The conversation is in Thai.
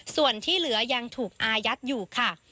ส่วนที่เหลือยังถูกอายัดอยู่ค่ะ